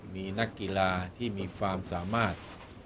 มีนักกีฬาที่มีความสามารถ